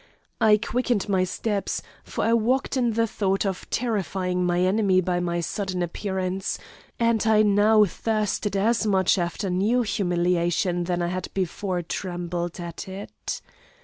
I quickened my steps, for I walked in the thought of terrifying my enemy by my sudden appearance, and I now thirsted as much after new humiliation as I had before trembled at it.